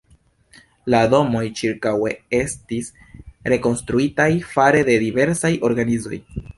La domoj ĉirkaŭe estis rekonstruitaj fare de diversaj organizoj.